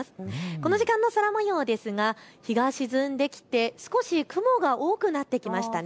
この時間の空もようですが日が沈んできて少し雲が多くなってきましたね。